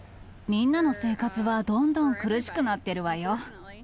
みんなの生活はどんどん苦しくなってるわよ。